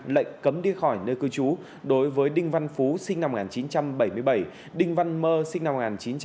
lệnh cấm đi khỏi nơi cư trú đối với đinh văn phú sinh năm một nghìn chín trăm bảy mươi bảy đinh văn mơ sinh năm một nghìn chín trăm tám mươi